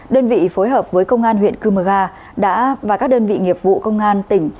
đơn vị phối hợp với công an huyện cư mờ ga đã và các đơn vị nghiệp vụ công an tỉnh